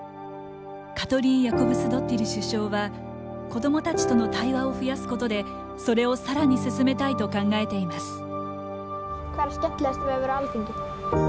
カトリン・ヤコブスドッティル首相は子どもたちの対話を増やすことでそれをさらに進めたいと考えています。